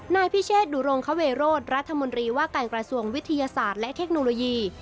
นายพิเชษดุรงคเวโรธรัฐมนตรีว่าการกระทรวงวิทยาศาสตร์และเทคโนโลยี